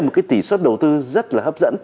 một cái tỷ suất đầu tư rất là hấp dẫn